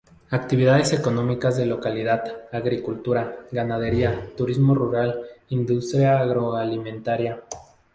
Actividades económicas de localidad: agricultura, ganadería, turismo rural, industria agroalimentaria.